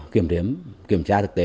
kiểm đếm kiểm tra thực tế